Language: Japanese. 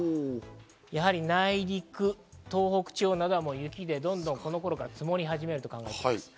やはり内陸、東北地方などは雪で、どんどんこの頃から積もり始めるという予想です。